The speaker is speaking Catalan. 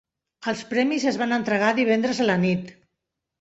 Els premis es van entregar divendres a la nit